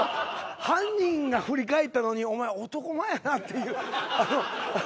犯人が振り返ったのにお前男前やなっていう。